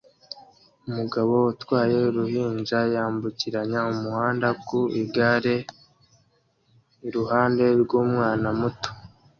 Umugabo utwaye uruhinja yambukiranya umuhanda ku igare iruhande rw'umwana muto